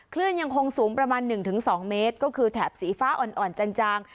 คลื่นยังคงสูงประมาณหนึ่งถึงสองเมตรก็คือแถบสีฟ้าอ่อนอ่อนจันจาง